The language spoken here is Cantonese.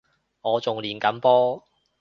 我仲練緊波